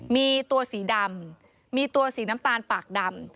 มีตัวสีดำมีตัวสีน้ำตาลปากดำ